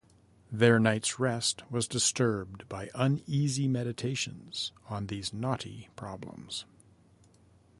Their night's rest was disturbed by uneasy meditations on these knotty problems.